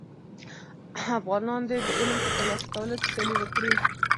افغانان دي د علم په تر لاسه کولو کي سیالي وکړي.